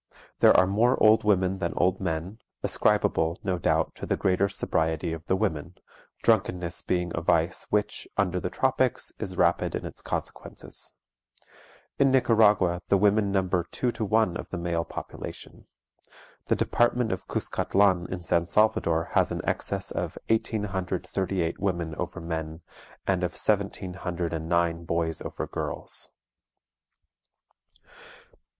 There are more old women than old men, ascribable, no doubt, to the greater sobriety of the women, drunkenness being a vice which, under the tropics, is rapid in its consequences. In Nicaragua the women number two to one of the male population. The Department of Cuscatlan in San Salvador has an excess of 1838 women over men, and of 1709 boys over girls.